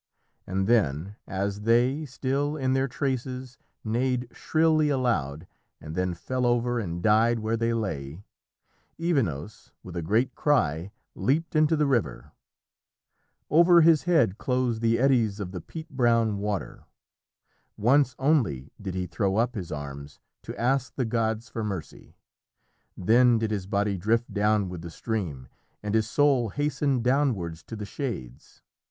And then, as they, still in their traces, neighed shrilly aloud, and then fell over and died where they lay, Evenos, with a great cry, leaped into the river. Over his head closed the eddies of the peat brown water. Once only did he throw up his arms to ask the gods for mercy; then did his body drift down with the stream, and his soul hastened downwards to the Shades.